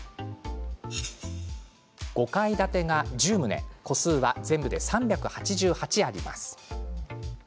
５階建てが１０棟戸数は全部で３８８あります。